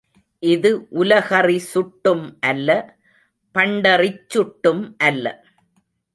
இது உலகறி சுட்டும் அல்ல பண்டறிச் சுட்டும் அல்ல.